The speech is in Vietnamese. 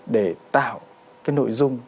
để tạo cái nội dung